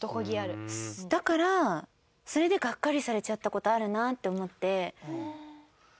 だからそれでガッカリされちゃった事あるなって思って。